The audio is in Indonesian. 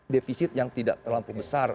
defisit yang tidak terlampau besar